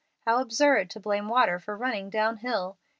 How absurd to blame water for running down hill!